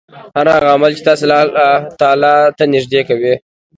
هر هغه عمل چې تا الله تعالی ته نژدې کوي